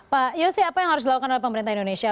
pak yosi apa yang harus dilakukan oleh pemerintah indonesia